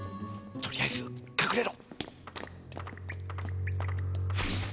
とりあえずかくれろ！